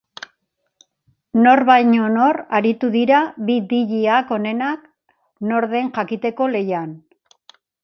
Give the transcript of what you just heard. Nor baino nor aritu dira bi dj-ak onena nor den jakiteko lehian.